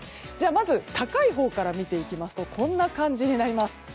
まず高いほうから見ていきますとこんな感じになります。